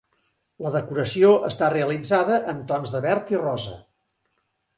La decoració està realitzada en tons de verd i rosa.